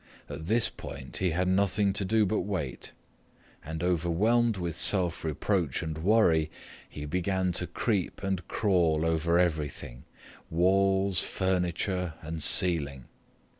At this point he had nothing to do but wait, and overwhelmed with self reproach and worry, he began to creep and crawl over everything: walls, furniture, and ceiling.